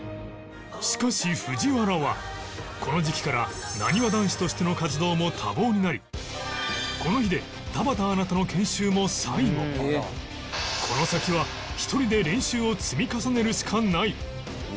しかし藤原はこの時期からなにわ男子としての活動も多忙になりこの日でこの先は一人で練習を積み重ねるしかない